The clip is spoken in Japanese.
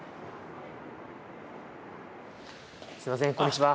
すいませんこんにちは。